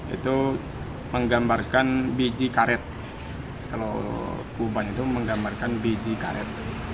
itu menggambarkan biji karet kalau kuban itu menggambarkan biji karet